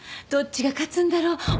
どっちが勝つんだろう？